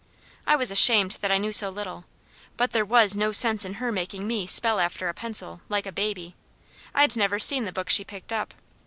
I was ashamed that I knew so little, but there was no sense in her making me spell after a pencil, like a baby. I'd never seen the book she picked up.